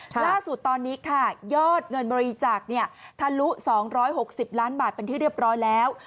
ล่าสุดตอนนี้ค่ะยอดเงินบริจาคทะลุ๒๖๐ล้านบาทเป็นที่เรียบร้อยแล้ว